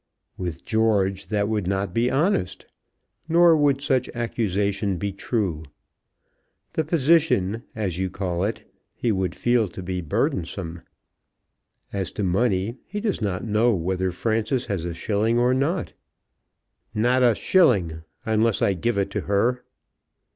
With George that would not be honest; nor would such accusation be true. The position, as you call it, he would feel to be burdensome. As to money, he does not know whether Frances has a shilling or not." "Not a shilling, unless I give it to her."